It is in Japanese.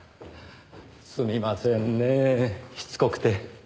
すみませんねしつこくて。